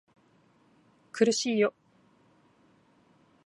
苦しいよ